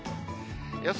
予想